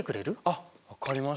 あっ分かりました。